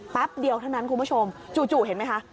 เดียวเท่านั้นคุณผู้ชมจู่เห็นไหมคะ